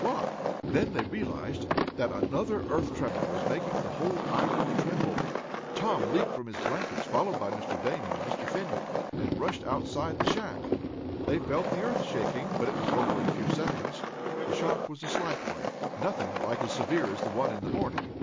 What ?" Then they realized that another earth tremor was making the whole island tremble. Tom leaped from his blankets, followed by Mr. Damon and Mr. Fenwick, and rushed outside the shack. They felt the earth shaking, but it was over in a few seconds. The shock was a slight one, nothing like as severe as the one in the morning.